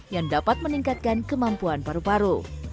yang dapat meningkatkan kemampuan paru paru